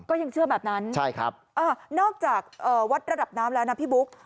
ก็ยังเชื่อแบบนั้นใช่ครับนอกจากวัดระดับน้ำแล้วนะพี่บุ๊ค